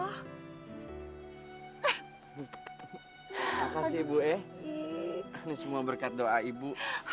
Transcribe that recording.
makasih ibu eh ini semua berkat doa ibu